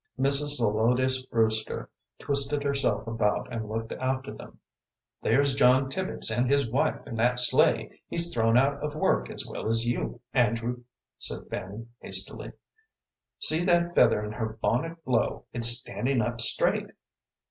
Mrs. Zelotes Brewster twisted herself about and looked after them. "There's John Tibbets and his wife in that sleigh; he's thrown out of work as well as you, Andrew," said Fanny, hastily. "See that feather in her bonnet blow; it's standin' up straight."